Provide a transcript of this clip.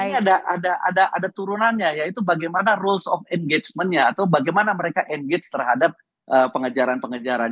ini ada turunannya yaitu bagaimana rules of engagementnya atau bagaimana mereka engage terhadap pengejaran pengejaran